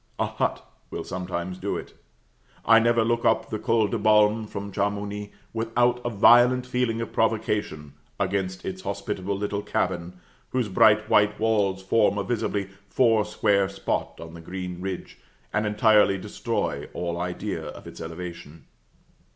A hut will sometimes do it; I never look up to the Col de Balme from Chamouni, without a violent feeling of provocation against its hospitable little cabin, whose bright white walls form a visibly four square spot on the green ridge, and entirely destroy all idea of its elevation.